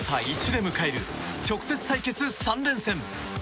１で迎える直接対決３連戦。